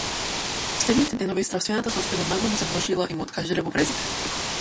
Последните денови здравствената состојба нагло му се влошила и му откажале бубрезите.